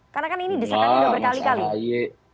karena kan ini desakan dua berkali kali